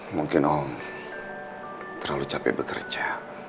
mungkin om terlalu capek bekerja